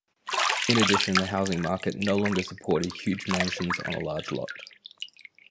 In addition, the housing market no longer supported huge mansions on a large lot.